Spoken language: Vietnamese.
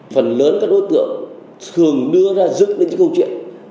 phần lớn các đối tượng thường đưa ra dứt đến những câu chuyện